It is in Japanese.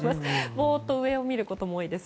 ぼーっと上を見ることも多いですし。